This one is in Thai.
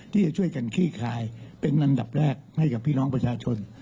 ที่จะช่วยกันขี้คายเป็นอันดับแรกให้กับพี่น้องประชาชน